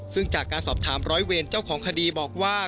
ซึ่งจากการสอบถามร้อยเวรเจ้าของคดีบอกว่า